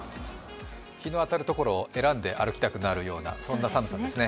日の当たるところを選んで歩きたくなるような寒さですね。